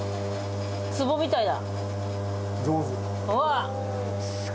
つぼみたいだ。